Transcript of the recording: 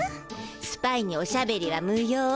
スパイにおしゃべりは無用。